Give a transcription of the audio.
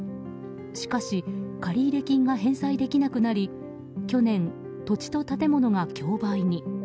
しかし借入金が返済できなくなり去年、土地と建物が競売に。